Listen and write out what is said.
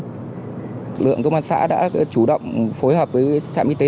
lực lượng công an xã đã chủ động phối hợp với trạm y tế